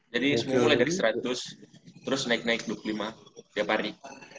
jadi mulai dari seratus terus naik naik dua puluh lima tiap hari